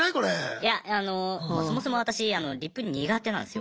いやあのそもそも私リプ苦手なんですよ。